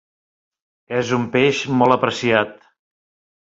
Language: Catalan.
És un peix molt apreciat.